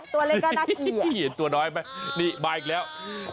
ตัวเล็กก็น่ากินพี่เห็นตัวน้อยไหมนี่มาอีกแล้ว